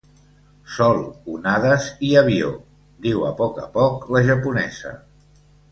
Sol, onades i avió —diu a poc a poc la japonesa.